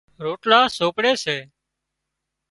روٽلا سوپڙي سي